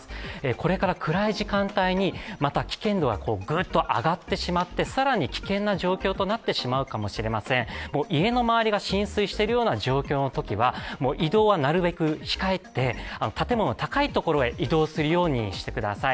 これからくらい時間帯にまた危険度はぐっと上がってしまって更に危険な状況となってしまうかもしれません家の周りが浸水しているような状況は移動はなるべく控えて、建物の高いところへ移動するようにしてください。